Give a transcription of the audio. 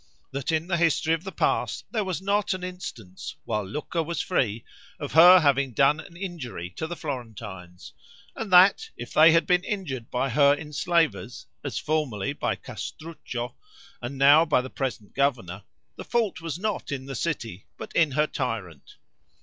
That in the history of the past there was not an instance, while Lucca was free, of her having done an injury to the Florentines; and that if they had been injured by her enslavers, as formerly by Castruccio, and now by the present governor, the fault was not in the city, but in her tyrant.